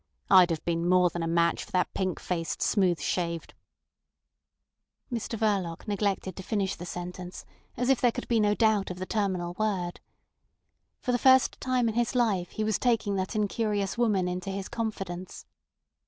I'd have been more than a match for that pink faced, smooth shaved—" Mr Verloc, neglected to finish the sentence, as if there could be no doubt of the terminal word. For the first time in his life he was taking that incurious woman into his confidence.